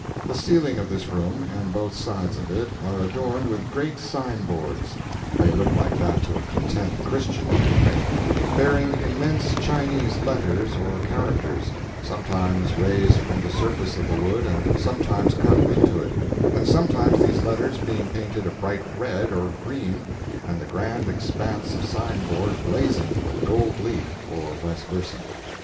The ceiling of this room, and both sides of it, are adorned with great sign boards, (they look like that to a content Christian, at any rate,) bearing immense Chinese letters or characters, sometimes raised from the surface of the wood and sometimes cut into it, and sometimes these letters being painted a bright red or green, and the grand expanse of sign board blazing with gold leaf, or vice versa.